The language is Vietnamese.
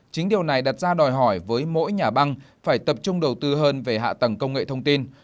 chính điều này đặt ra đòi hỏi với mỗi nhà băng phải tập trung đầu tư hơn về hạ tầng công nghệ thông tin